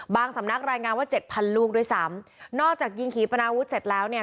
สำนักรายงานว่าเจ็ดพันลูกด้วยซ้ำนอกจากยิงขี่ปนาวุธเสร็จแล้วเนี่ย